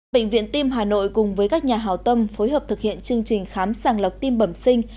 bệnh viện tim hà nội cùng với các nhà hào tâm phối hợp thực hiện chương trình khám sàng lọc tim bẩm sinh